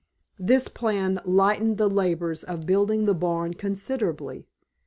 This plan lightened the labors of building the barn considerably.